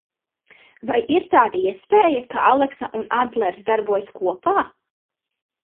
Vai ir tāda iespēja, ka Aleksa un Adlers darbojas kopā?